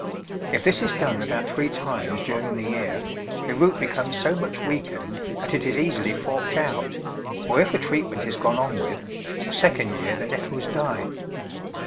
If this is done about three times during the year, the root becomes so much weakened that it is easily forked out, or if the treatment is gone on with, the second year the nettles die.